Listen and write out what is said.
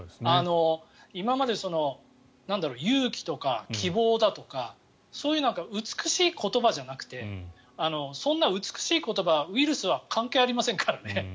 今まで勇気とか希望だとかそういう美しい言葉じゃなくてそんな美しい言葉、ウイルスは関係ありませんからね。